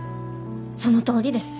そのとおりです。